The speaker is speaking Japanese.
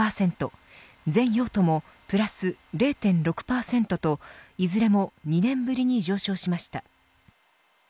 全用途もプラス０．６％といずれも２年ぶりに上昇しました。